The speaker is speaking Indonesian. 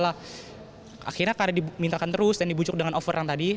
akhirnya karena dimintakan terus dan dibujuk dengan over yang tadi